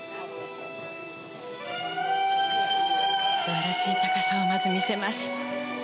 素晴らしい高さをまず見せます。